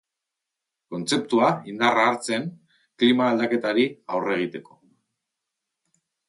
Kontzeptua indarra hartzen klima aldaketari aurre egiteko.